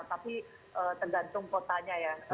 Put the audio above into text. tapi tergantung kotanya ya